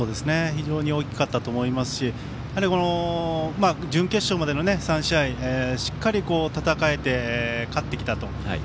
非常に大きかったと思いますし準決勝までの３試合しっかり戦えて勝ってきたと。